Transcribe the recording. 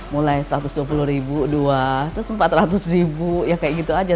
mulai satu ratus dua puluh ribu dua terus empat ratus ribu ya kayak gitu aja